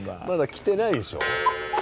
まだ来てないでしょ。